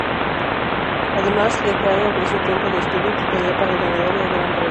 Además, Lecrae ofreció tiempo de estudio y tutoría para el ganador del gran premio.